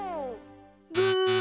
ブー！